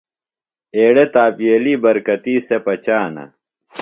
ایڑے تاپییلی برکتی سےۡ پچانہ۔